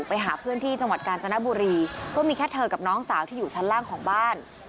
ไปหาเพื่อนที่จังหวัดกาญจนบุรีก็มีแค่เธอกับน้องสาวที่อยู่ชั้นล่างของบ้าน